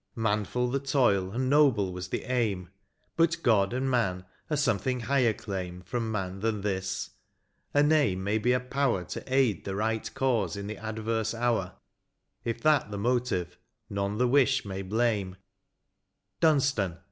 Manftil the toil, and noble was the aim — Sut God and man a something higher claim From man than this ; a name may be a power To aid the right cause in the adverse hour ; If that the motive, none the wish may blame : Dunstan